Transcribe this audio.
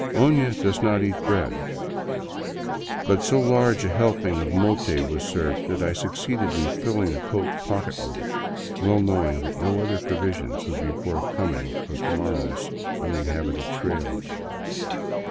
Ofia does not eat bread, but so large a helping of mote was served that I succeeded in filling a coat pocket with it, well knowing that no other provisions would be forthcoming for the morrow's uninhabited trail.